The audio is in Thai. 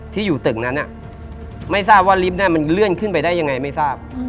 ที่อยู่ตึกนั้นไม่ทราบว่าลิฟต์มันเลื่อนขึ้นไปได้ยังไงไม่ทราบ